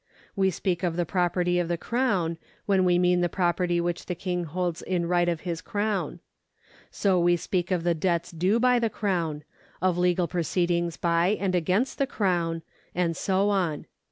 We speak of the property of the Crown, when we mean the property which the King hokls in right of his crown. So we speak of the debts due by the Crown, of legal proceedings by and against the Crown, and so on.